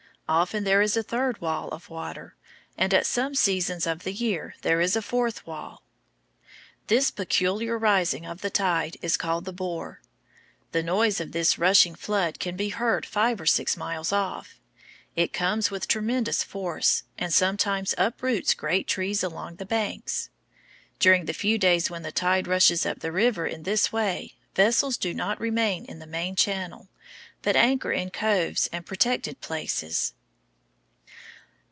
Often there is a third wall of water, and at some seasons of the year there is a fourth wall. This peculiar rising of the tide is called the bore. The noise of this rushing flood can be heard five or six miles off. It comes with tremendous force, and sometimes uproots great trees along the banks. During the few days when the tide rushes up the river in this way vessels do not remain in the main channel, but anchor in coves and protected places.